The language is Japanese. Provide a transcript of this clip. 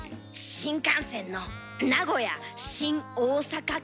新幹線の名古屋新大阪間。